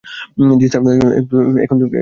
জ্বি, স্যার আর এখন তুমি কী করবে ভাইজান?